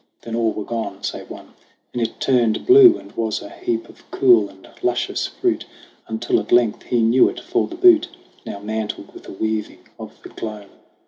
Then all were gone, save one, and it turned blue And was a heap of cool and luscious fruit, Until at length he knew it for the butte Now mantled with a weaving of the gloam.